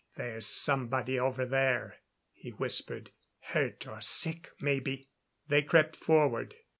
"There's somebody over there," he whispered. "Hurt or sick, maybe." They crept forward.